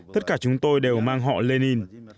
tất cả chúng tôi đều mang họ lenin